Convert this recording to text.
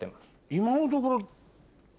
今のところ。